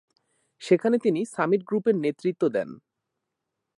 সেখানে তিনি সামিট গ্রুপের নেতৃত্ব দেন।